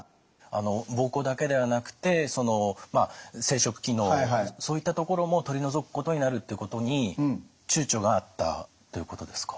膀胱だけではなくて生殖機能そういったところも取り除くことになるってことにちゅうちょがあったということですか。